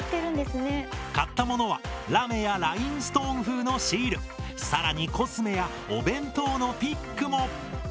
買った物はラメやラインストーン風のシールさらにコスメやお弁当のピックも。